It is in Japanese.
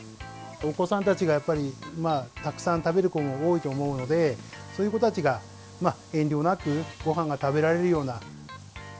お子さんたちがやっぱりたくさん食べる子も多いと思うので、そういう子たちが遠慮なくごはんが食べられるような。